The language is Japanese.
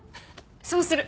そうする。